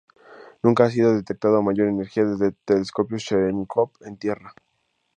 Nunca ha sido detectado a mayor energía desde telescopios Cherenkov en tierra.